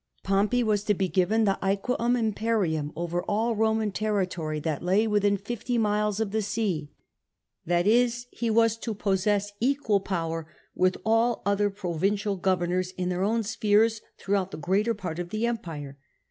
Pompey was to be given the aequum over all Eoman territory that lay within fifty miles of the sea — i.e. he was to possess equal power with all other provincial governors in their own spheres throughout the greater part of the empire.